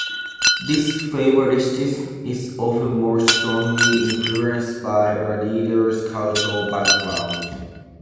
This favouritism is often most strongly influenced by a readers' cultural background.